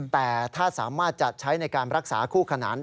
แต่ถ้าสามารถจะใช้ในการรักษาคู่ขนาน